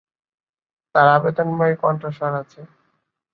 তার আবেদনময়ী কণ্ঠস্বর আছে।